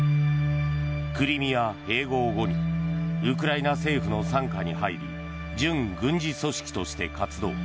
クリミア併合後にウクライナ政府の傘下に入り準軍事組織として活動。